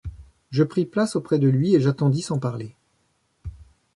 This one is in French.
Je pris place auprès de lui et j’attendis sans parler.